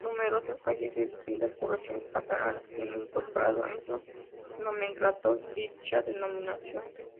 Numerosas calles de distintas poblaciones catalanas tienen incorporado en su nomenclátor dicha denominación.